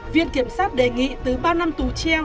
viện kiểm sát đề nghị từ ba năm tù treo